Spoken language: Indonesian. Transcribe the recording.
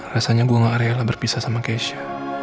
rasanya gue gak rela berpisah sama keisha